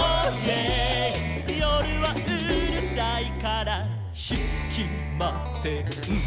「よるはうるさいからひきません」